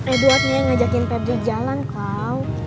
edwardnya yang ngajakin pet di jalan kau